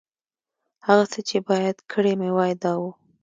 هغه څه چې باید کړي مې وای، دا و.